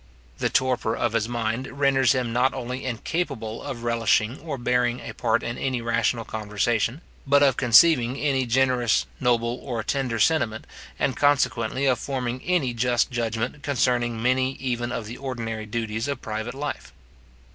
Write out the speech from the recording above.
The torpor of his mind renders him not only incapable of relishing or bearing a part in any rational conversation, but of conceiving any generous, noble, or tender sentiment, and consequently of forming any just judgment concerning many even of the ordinary duties of private life.